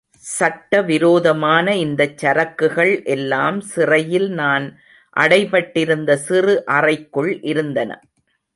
சட்டவிரோதமான இந்தச் சரக்குகள் எல்லாம் சிறையில் நான் அடைபட்டிருந்த சிறு அறைக்குள் இருந்தன.